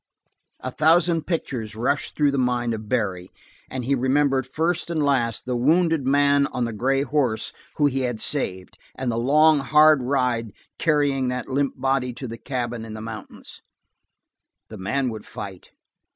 A thousand pictures rushed through the mind of Barry, and he remembered first and last the wounded man on the gray horse who he had saved, and the long, hard ride carrying that limp body to the cabin in the mountains. The man would fight.